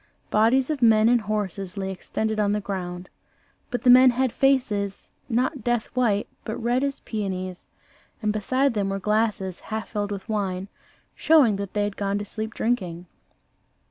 Bodies of men and horses lay extended on the ground; but the men had faces, not death white, but red as peonies, and beside them were glasses half filled with wine, showing that they had gone to sleep drinking.